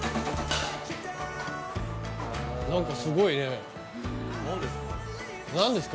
何かすごいね何ですか？